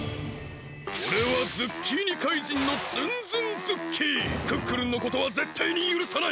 おれはズッキーニ怪人のクックルンのことはぜったいにゆるさない！